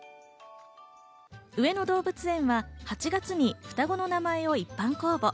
上野動物園は８月に双子の名前を一般公募。